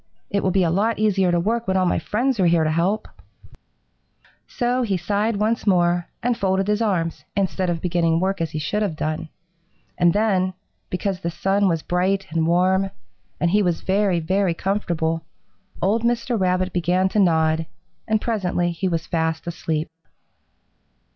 It will be a lot easier to work when all my friends are here to help,' So he sighed once more and folded his arms, instead of beginning work as he should have done. And then, because the sun was bright and warm, and he was very, very comfortable, old Mr. Rabbit began to nod, and presently he was fast asleep.